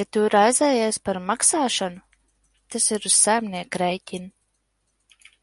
Ja tu raizējies par maksāšanu, tas ir uz saimnieka rēķina.